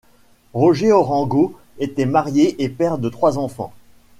Roger Orengo était marié et père de trois enfants.